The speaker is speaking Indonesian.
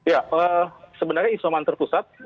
ya sebenarnya isoman terpusat